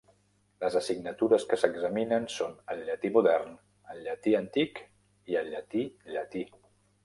Les assignatures que s'examinen són el llatí modern, el llatí antic, i el llatí llatí.